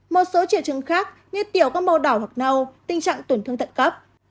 một số triệu chứng khác như tiểu các màu đỏ hoặc nâu tình trạng tổn thương thận cấp